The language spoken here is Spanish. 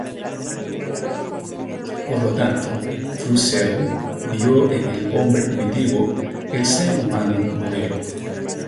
Por lo tanto, Rousseau vio en el hombre primitivo el ser humano modelo.